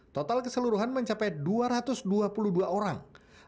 total keseluruhan mencapai dua ratus dua puluh dua orang